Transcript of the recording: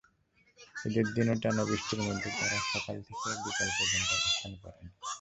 ঈদের দিনও টানা বৃষ্টির মধ্যে তাঁরা সকাল থেকে বিকেল পর্যন্ত অবস্থান করেন।